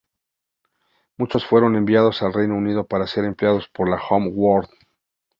Muchos fueron enviados al Reino Unido para ser empleados por la Home Guard.